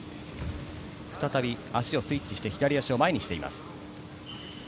再び足をスイッチして左足を前にしています。